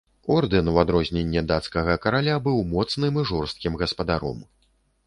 Ордэн, у адрозненне дацкага караля, быў моцным і жорсткім гаспадаром.